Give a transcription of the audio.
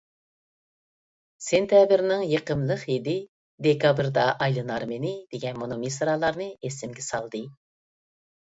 «سېنتەبىرنىڭ يېقىملىق ھىدى، دېكابىردا ئايلىنار مېنى» دېگەن مۇنۇ مىسرالارنى ئېسىمگە سالدى.